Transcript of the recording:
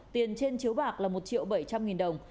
tiền trên chiếu bạc là một triệu bảy trăm linh nghìn đồng